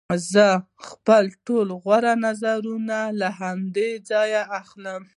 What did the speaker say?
زه خپل ټول غوره نظرونه له همدې ځایه اخلم